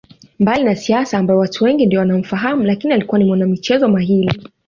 Mbali na siasa ambayo watu wengi ndiyo wanamfahamu lakini alikuwa ni mwanamichezo mahiri